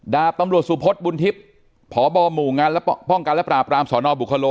ดาบตำรวจสุพศบุญทิพย์พบหมู่งานและป้องกันและปราบรามสนบุคโล